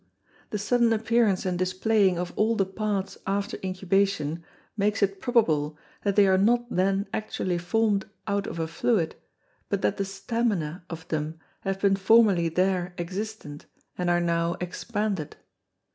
The sudden appearance and displaying of all the Parts after Incubation, makes it probable, that they are not then actually formed out of a fluid, but that the Stamina of them have been formerly there existent, and are now expanded.